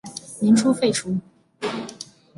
民初废除。